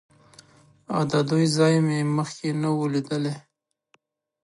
د دوی ځای مې مخکې نه و لیدلی.